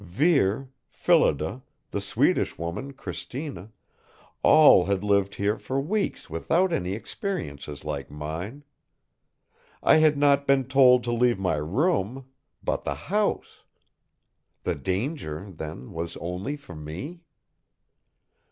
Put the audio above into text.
Vere, Phillida, the Swedish woman, Cristina all had lived here for weeks without any experiences like mine. I had not been told to leave my room, but the house. The danger, then, was only for me?